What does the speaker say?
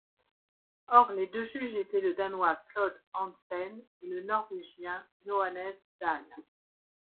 Or les deux juges étaient le Danois Clod Hansen et le Norvégien Johannes Dahl.